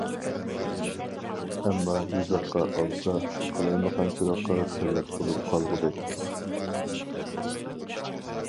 ئەمما يېزىققا ئالسا، قالايمىقانچىلىققا سەۋەب بولۇپ قالغۇدەك.